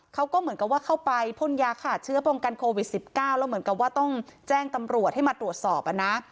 เขาก็เหมือนกับว่าเข้าไปพ่นยาขาดเชื้อป้องกันโควิด๑๙แล้วเหมือนกับว่าต้องแจ้งตำรวจให้มาตรวจสอบอ่ะนะ